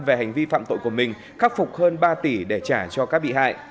về hành vi phạm tội của mình khắc phục hơn ba tỷ để trả cho các bị hại